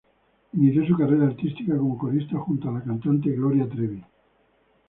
Inició su carrera artística como corista junto a la cantante Gloria Trevi.